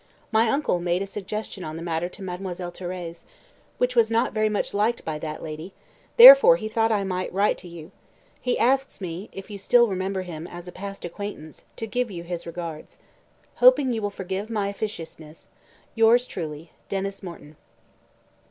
My uncle made a suggestion on the matter to Mademoiselle Thérèse, which was not very much liked by that lady, therefore he thought I might write you. He asks me if you still remember him as a 'past acquaintance' to give you his regards. "Hoping you will forgive my officiousness. "Yours truly, "DENYS MORTON."